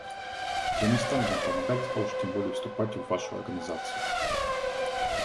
Я не стану вам помогать, а уж тем более вступать в вашу организацию!